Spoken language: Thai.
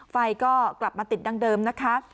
ไฟก็กลับมาติดดังเดิมนะคะ